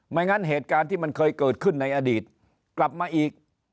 งั้นเหตุการณ์ที่มันเคยเกิดขึ้นในอดีตกลับมาอีก